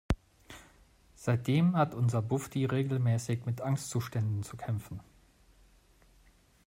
Seitdem hat unser Bufdi regelmäßig mit Angstzuständen zu kämpfen.